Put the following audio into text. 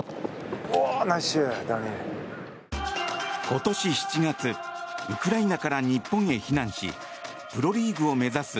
今年７月ウクライナから日本へ避難しプロリーグを目指す